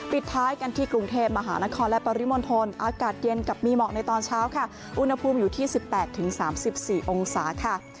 ปิดท้ายกันที่กรุงเทพมหานครและปริมณฑลอากาศเย็นกับมีหมอกในตอนเช้าค่ะอุณหภูมิอยู่ที่๑๘๓๔องศาค่ะ